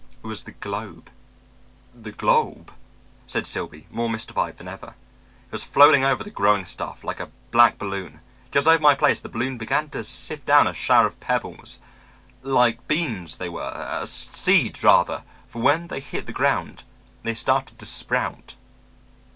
It was the globe." "The globe!" said Silby, more mystified than ever. "It was floating over the growing stuff, like a black balloon. Just over my place the balloon began to sift down a shower of pebbles. Like beans, they were; seeds, rather; for when they hit the ground they started to sprout."